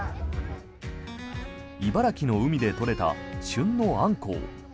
茨城の海で取れた旬のアンコウ。